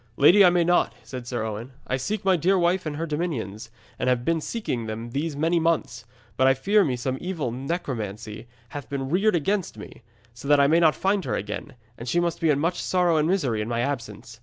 'Lady, I may not,' said Sir Owen. 'I seek my dear wife and her dominions, and have been seeking them these many months. But I fear me some evil necromancy hath been reared against me, so that I may not find her again, and she must be in much sorrow and misery in my absence.